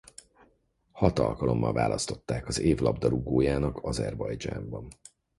Hat alkalommal választották az év labdarúgójának Azerbajdzsánban.